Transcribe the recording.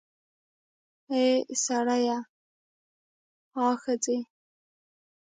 اې سړیه, آ ښځې